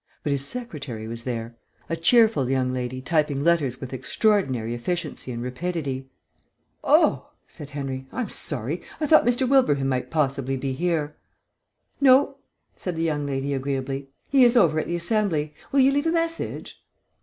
But his secretary was there; a cheerful young lady typing letters with extraordinary efficiency and rapidity. "Oh," said Henry, "I'm sorry. I thought Mr. Wilbraham might possibly be here." "No," said the young lady agreeably. "He is over at the Assembly. Will you leave a message?"